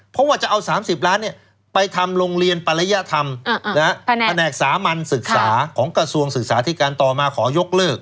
เพราะว่าจะเอา๓๐ล้านไปทำโรงเรียนปริยธรรมแผนกสามัญศึกษาของกระทรวงศึกษาที่การต่อมาขอยกเลิก